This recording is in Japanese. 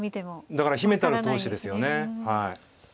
だから秘めたる闘志ですよね。